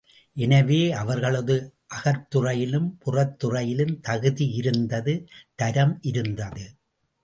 எனவே, அவர்களது அகத்துறையிலும் புறத்துறையிலும் தகுதி இருந்தது, தரம் இருந்தது.